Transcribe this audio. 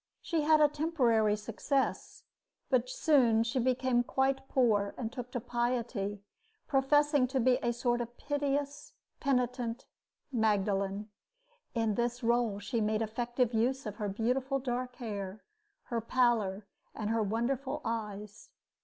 She had a temporary success; but soon she became quite poor, and took to piety, professing to be a sort of piteous, penitent Magdalen. In this role she made effective use of her beautiful dark hair, her pallor, and her wonderful eyes.